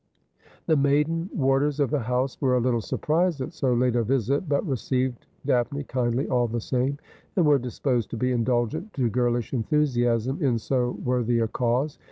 The maiden warders of the house were a little surprised at so late a visit, but received Daphne kindly all the same, and were disposed to be indulgent to girlish enthusiasm in so worthy a cause.